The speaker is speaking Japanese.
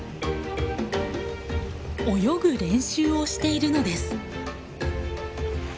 泳ぐ練習をしているのです。